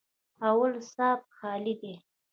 _اول سات خالي دی.